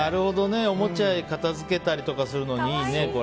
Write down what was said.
おもちゃを片付けたりするのにいいね。